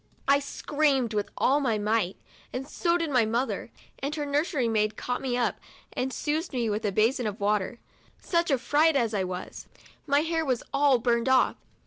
I screamed with all my might, and so did my mother; and her nursery maid caught me up and soused me in a basin of water. Such a fright as I was ! my hair was all burned off.